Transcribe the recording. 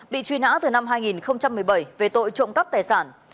bị truy nã từ năm hai nghìn một mươi bảy về tội trộm cắp tài sản